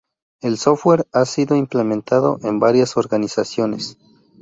El software ha sido implementado en varias organizaciones.